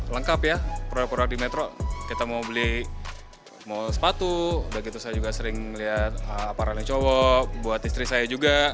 lengkap ya produk produk di metro kita mau beli sepatu saya juga sering melihat aparatnya cowok buat istri saya juga